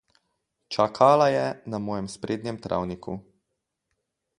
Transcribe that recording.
Čakala je na mojem sprednjem travniku.